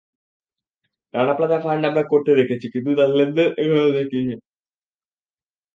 Rana plaza fund আমরা করতে দেখেছি, কিন্তু তার লেনদেন এখনো দেখিনি।